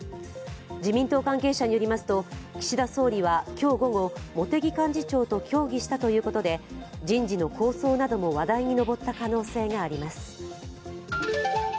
自民党関係者によりますと岸田総理は今日午後茂木幹事長と協議したということで人事の構想なども話題に上った可能性があります。